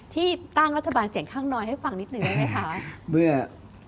ที่ตั้งรัฐบาลเสียงข้างน้อยให้ฟังนิดหนึ่งได้ไหมคะ